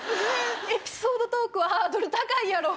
エピソードトークはハードル高いやろ。